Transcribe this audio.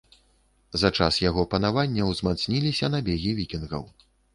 За час яго панавання ўзмацніліся набегі вікінгаў.